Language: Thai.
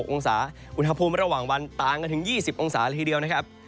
บุนภพภูมิระหว่างวานต่างกันถึง๒๐โอกละทีเดียว